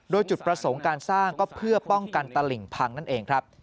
โดยจุดประสงค์การสร้างก็เพื่อป้องกันตลิ่งพังนั่นเองครับ